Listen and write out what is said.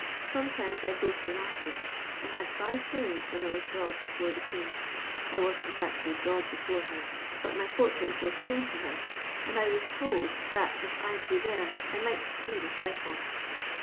Sometimes I go to an artist. I hod b*. when I was drawed before the Queen. I wasn't 'zactly drawed before her, but my portrait was shown to her, and I was told that if I 'd be there I might receive a trifle.